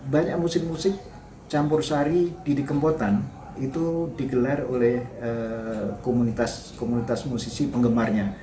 banyak musik musik campur sari didi kempotan itu digelar oleh komunitas komunitas musisi penggemarnya